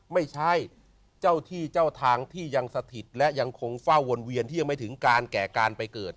ไม่ใช่เจ้าที่เจ้าทางที่ยังสถิตและยังคงเฝ้าวนเวียนที่ยังไม่ถึงการแก่การไปเกิด